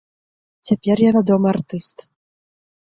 Цяпер я вядомы артыст.